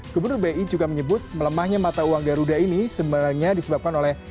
gubernur bi juga menyebut melemahnya mata uang garuda ini sebenarnya disebabkan oleh